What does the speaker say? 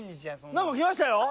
何か来ましたよ。